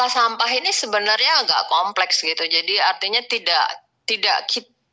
betul sekali dan masalah sampah ini sebenarnya agak kompleks gitu jadi artinya tidak tidak kita tidak bisa bebas